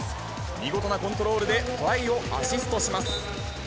見事なコントロールで、トライをアシストします。